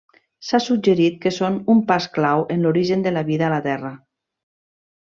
S'ha suggerit que són un pas clau en l'origen de la vida a la Terra.